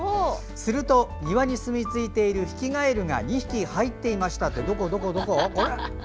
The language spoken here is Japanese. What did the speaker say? すると、庭にすみついているヒキガエルが２匹入っていましたと。